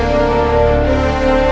nosel dari semalam